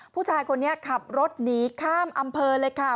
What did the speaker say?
ผู้ชายคนนี้ขับรถหนีข้ามอำเภอเลยค่ะ